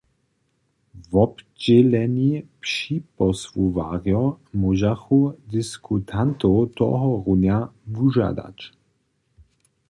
Wobdźěleni připosłucharjo móžachu diskutantow tohorunja wužadać.